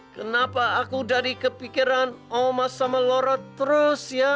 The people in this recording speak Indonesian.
kenapa aku dari kepikiran oma sama lora terus ya